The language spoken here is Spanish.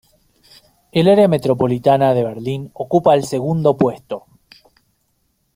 El área metropolitana de Berlín ocupa el segundo puesto.